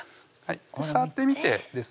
見て触ってみてですね